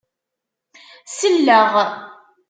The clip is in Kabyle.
Selleɣ.